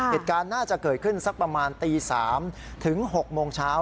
เหตุการณ์น่าจะเกิดขึ้นสักประมาณตี๓ถึง๖โมงเช้า